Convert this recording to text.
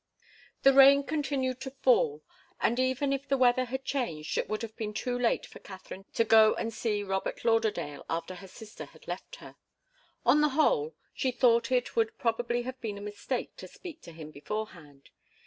The rain continued to fall, and even if the weather had changed it would have been too late for Katharine to go and see Robert Lauderdale after her sister had left her. On the whole, she thought, it would probably have been a mistake to speak to him beforehand.